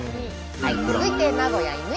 続いて名古屋犬山。